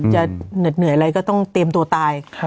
เหน็ดเหนื่อยอะไรก็ต้องเตรียมตัวตาย